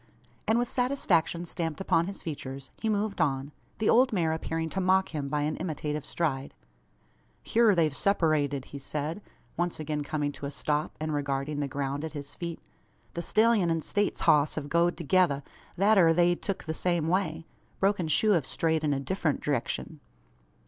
and, with satisfaction stamped upon his features, he moved on, the old mare appearing to mock him by an imitative stride! "Hyur they've seppurated," he said, once again coming to a stop, and regarding the ground at his feet. "The stellyun an States hoss hev goed thegither thet air they've tuk the same way. Broken shoe hev strayed in a diffrent direkshun."